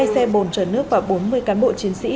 hai xe bồn chở nước và bốn mươi cán bộ chiến sĩ